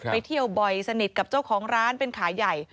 ไปเที่ยวบ่อยสนิทกับเจ้าของร้านเป็นขายใหญ่